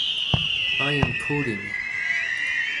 I am coding.